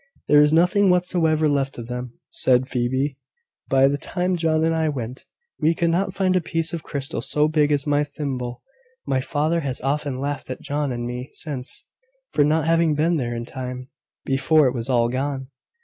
"There was nothing whatsoever left of them," said Phoebe, "by the time John and I went. We could not find a piece of crystal so big as my thimble. My father has often laughed at John and me since, for not having been there in time, before it was all gone."